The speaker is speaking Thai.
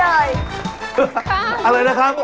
เยอะแยะมากค่ะครับ